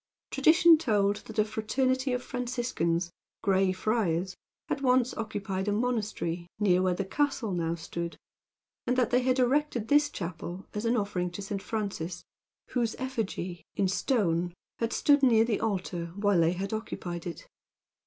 Tradition told that a fraternity of Franciscans gray friars had once occupied a monastery near where the castle now stood; and that they had erected this chapel as an offering to St. Francis, whose effigy, in stone, had stood near the altar, while they had occupied it.